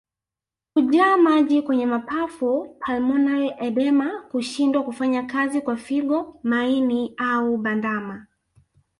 Kujaa maji kwenye mapafu pulmonary edema Kushindwa kufanya kazi kwa figo maini au bandama